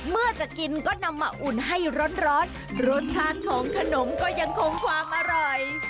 เมื่อจะกินก็นำมาอุ่นให้ร้อนรสชาติของขนมก็ยังคงความอร่อย